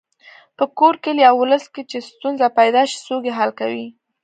په کور، کلي او ولس کې چې ستونزه پیدا شي څوک یې حل کوي.